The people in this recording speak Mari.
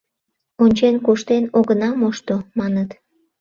«Ончен-куштен огына мошто», — маныт.